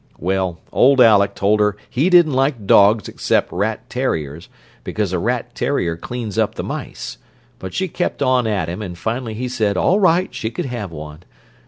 Well, old Aleck told her he didn't like dogs except rat terriers, because a rat terrier cleans up the mice, but she kept on at him, and finally he said all right she could have one.